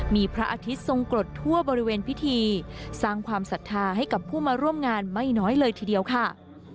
มีพระอาทิตย์ทรงกรดทั่วบริเวณพิธีสร้างความศรัทธาให้กับผู้มาร่วมงานไม่น้อยเลยทีเดียวค่ะ